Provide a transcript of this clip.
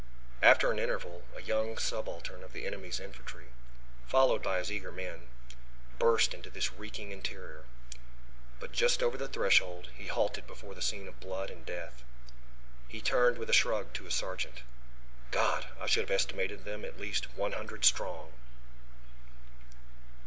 After an interval a young subaltern of the enemy's infantry, followed by his eager men, burst into this reeking interior. But just over the threshold he halted before the scene of blood and death. He turned with a shrug to his sergeant. "God, I should have estimated them at least one hundred strong."